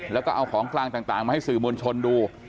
แล้วก็เอาของกลางต่างมาให้สื่อมวลชนดู